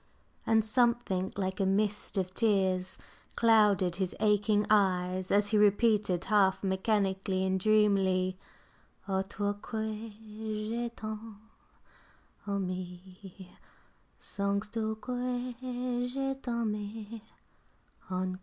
And something like a mist of tears clouded his aching eyes as he repeated, half mechanically and dreamily O toi que j'ai tant aimée, Songes tu que je t'aime encor?